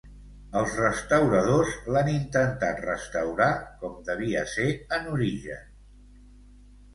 Els restauradors l'han intentat restaurar com devia ser en origen.